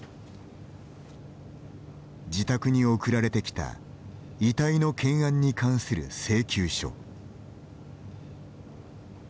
自宅に送られてきた遺体の検案に関する請求書。